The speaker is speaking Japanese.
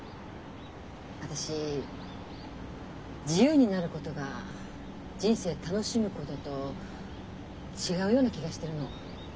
私自由になることが人生楽しむことと違うような気がしてるの。